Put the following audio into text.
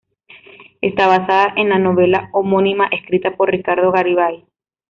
Está basada en la novela homónima escrita por Ricardo Garibay.